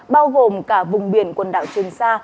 bao gồm cả vùng biển quần đạo trường sa